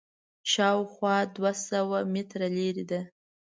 شاوخوا دوه سوه متره لرې ده.